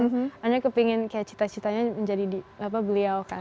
akhirnya kepengen kayak cita citanya menjadi beliau kan